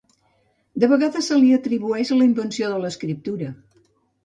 De vegades se li atribueix la invenció de l'escriptura.